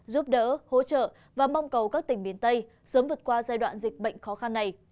giúp đỡ hỗ trợ và mong cầu các tỉnh miền tây sớm vượt qua giai đoạn dịch bệnh khó khăn này